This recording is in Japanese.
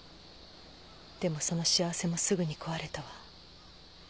でもその幸せもすぐに壊れたわ。